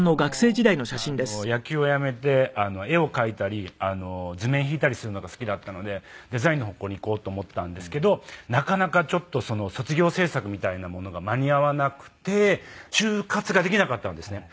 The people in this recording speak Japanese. で野球をやめて絵を描いたり図面引いたりするのが好きだったのでデザインの方向にいこうと思ったんですけどなかなかちょっと卒業制作みたいなものが間に合わなくて就活ができなかったんですね。